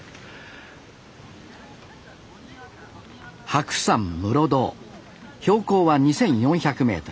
白山室堂標高は２，４００メートル。